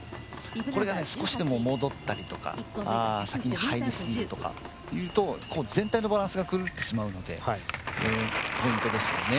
これが少しでも戻ったりとか先に入りすぎるとかいうと全体のバランスが狂ってしまうのでポイントですよね。